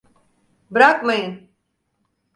Bırakmayın!